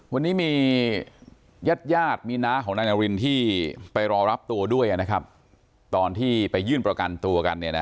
วันนี้มีญาติมีน้าของนายนารินที่ไปรอรับตัวด้วยตอนที่ไปยื่นประกันตัวกัน